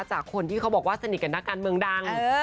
จากคนที่เขาบอกว่าสนิทกับนักการเมืองดัง